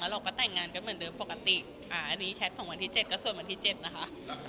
เราก็แต่งงานกันเหมือนเดิมปกติอันนี้แชทของวันที่๗ก็ส่วนวันที่๗นะคะ